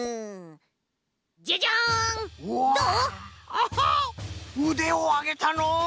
アハッうでをあげたのう！